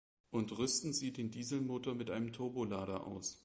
Und rüsten Sie den Dieselmotor mit einem Turbolader aus.